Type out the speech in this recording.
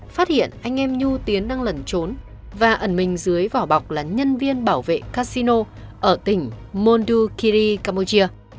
phát hiện anh em nhu tiến đang lẩn trốn và ẩn mình dưới vỏ bọc là nhân viên bảo vệ casino ở tỉnh mondukiri campuchia